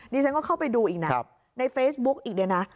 นี่ฉันก็เข้าไปดูอีกนะในเฟซบุ๊กอีกเนี่ยนะ